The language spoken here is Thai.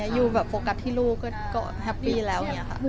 อยู่โฟกัสที่ลูกก็เยี่ยมแล้ว